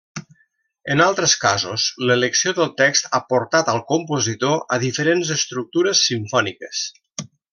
En altres casos, l'elecció del text ha portat al compositor a diferents estructures simfòniques.